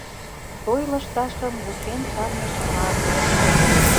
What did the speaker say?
Той лышташым вучен чарныш мланде